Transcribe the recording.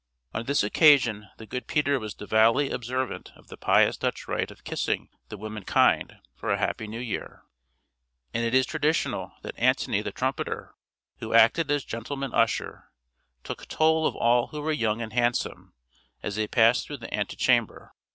On this occasion the good Peter was devoutly observant of the pious Dutch rite of kissing the women kind for a happy new year; and it is traditional that Antony the trumpeter, who acted as gentleman usher, took toll of all who were young and handsome, as they passed through the ante chamber.